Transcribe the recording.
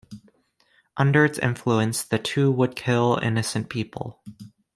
Under its influence, the two would kill innocent people.